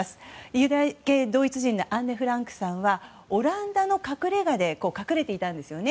ユダヤ系ドイツ人のアンネ・フランクさんはオランダの隠れ家に隠れていたんですよね。